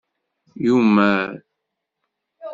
Yumar.